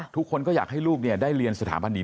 ทุกคนก็อยากให้ลูกได้เรียนสถาบันนี้